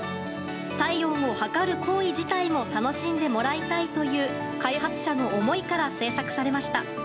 体温を測る行為自体も楽しんでもらいたいという開発者の思いから製作されました。